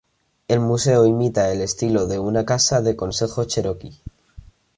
El museo imita el estilo de una casa de consejo cheroqui.